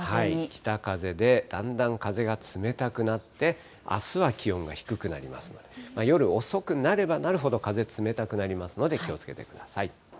北風で、だんだん風が冷たくなって、あすは気温が低くなりますので、夜遅くなればなるほど風冷たくなりますので、気をつけてください。